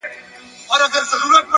• چي هر څه تلاښ کوې نه به ټولیږي ,